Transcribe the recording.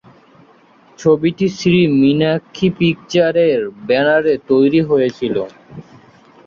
ছবিটি শ্রী মীনাক্ষী পিকচার্সের ব্যানারে তৈরি হয়েছিল।